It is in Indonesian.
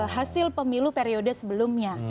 hasil pemilu periode sebelumnya